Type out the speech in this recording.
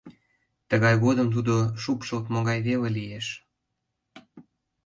Тыгай годым тудо шупшылтмо гай веле лиеш.